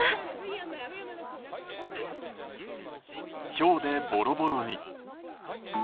ひょうでボロボロに。